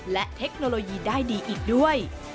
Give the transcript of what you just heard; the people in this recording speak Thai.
และเทคโนโลยีได้ดีอีกด้วย